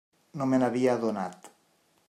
No me n'havia adonat.